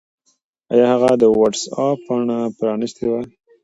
آیا هغه د وټس-اپ پاڼه پرانستې وه؟